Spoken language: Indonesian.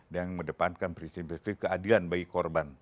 dengan mendepankan prinsip prinsip keadilan bagi korban